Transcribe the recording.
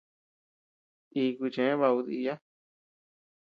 Iku cheʼë baku diiya.